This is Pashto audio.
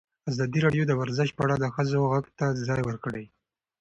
ازادي راډیو د ورزش په اړه د ښځو غږ ته ځای ورکړی.